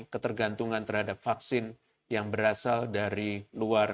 ketergantungan terhadap vaksin yang berasal dari vaccine yang berasal dari travail dan karena